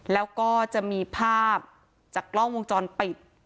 แล้วก็จะมีภาพจากกล้องวงจรปิด